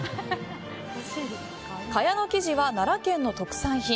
蚊帳の生地は奈良県の特産品。